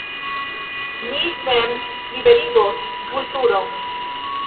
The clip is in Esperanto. Ni mem liberigos Vulturon!